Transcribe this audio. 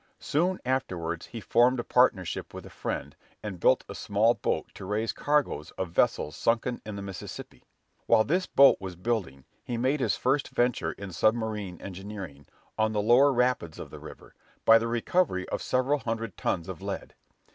Soon afterwards he formed a partnership with a friend, and built a small boat to raise cargoes of vessels sunken in the Mississippi. While this boat was building, he made his first venture in submarine engineering, on the lower rapids of the river, by the recovery of several hundred tons of lead.